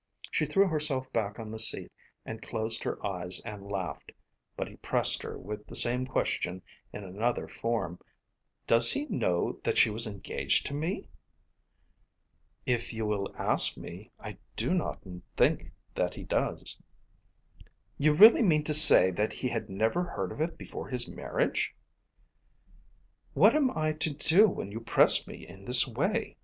She threw herself back on the seat and closed her eyes and laughed. But he pressed her with the same question in another form. "Does he know that she was engaged to me?" "If you will ask me, I do not think that he does." "You really mean to say that he had never heard of it before his marriage?" "What am I to do when you press me in this way?